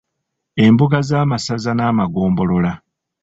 Embuga z'amasaza n'amagombolola.